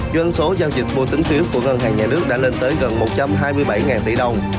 doanh số giao dịch mua tính phiếu của ngân hàng nhà nước đã lên tới gần một trăm hai mươi bảy tỷ đồng